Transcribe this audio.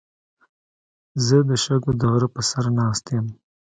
زه د شګو د غره په سر ناست یم.